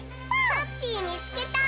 ハッピーみつけた！